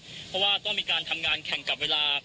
เพราะว่าต้องมีการทำงานแข่งกับเวลา